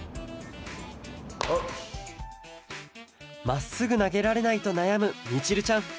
まっすぐなげられないとなやむみちるちゃん！